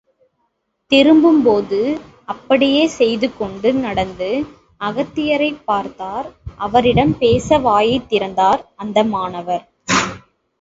திரும்பும்போது அப்படியே செய்துகொண்டு நடந்து அகத்தியரை பார்த்தார் அவரிடம் பேச வாயைத் திறந்தார் அந்த மாணவர்.